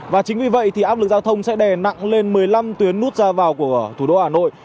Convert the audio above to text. và chính vì vậy thì áp lực giao thông sẽ đè nặng lên một mươi năm tuyến nút ra vào của thủ đô hà nội